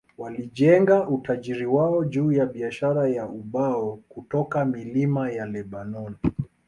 Walijenga utajiri wao juu ya biashara ya ubao kutoka milima ya Lebanoni.